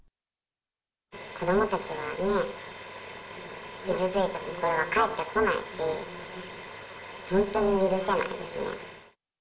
子どもたちのね、傷ついた心は返ってこないし、本当に許せないですね。